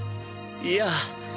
いや。